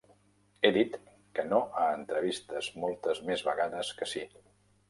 He dit que no a entrevistes moltes més vegades que sí.